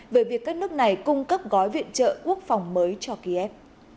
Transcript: về việc các nước này cung cấp gói viện trợ quốc phòng mới cho kiev